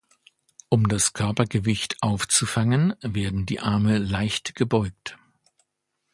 Um das Körpergewicht aufzufangen, werden die Arme leicht gebeugt.